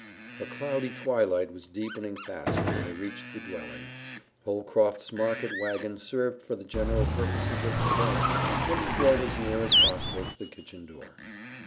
A cloudy twilight was deepening fast when they reached the dwelling. Holcroft's market wagon served for the general purposes of conveyance, and he drove as near as possible to the kitchen door.